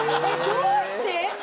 どうして？